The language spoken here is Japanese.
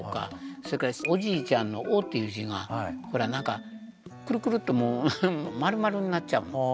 それから「おじいちゃん」の「お」という字がほらなんかくるくるっとまるまるになっちゃうの。